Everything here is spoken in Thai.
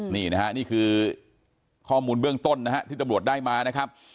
นี่คือข้อมูลเบื้องต้นที่ตำรวจได้มาครับ